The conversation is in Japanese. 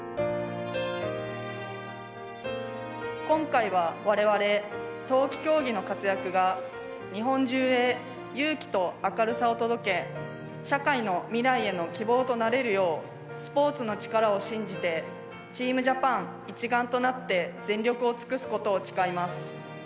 今回はわれわれ冬季競技の活躍が日本中へ勇気と明るさを届け社会の未来への希望となれるようスポーツの力を信じてチームジャパン一丸となって全力を尽くすことを誓います。